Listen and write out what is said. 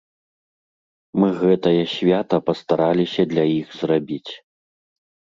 Мы гэтае свята пастараліся для іх зрабіць.